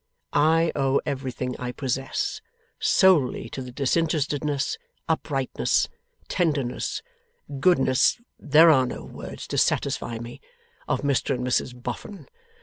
I owe everything I possess, solely to the disinterestedness, uprightness, tenderness, goodness (there are no words to satisfy me) of Mr and Mrs Boffin.